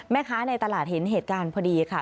ในตลาดเห็นเหตุการณ์พอดีค่ะ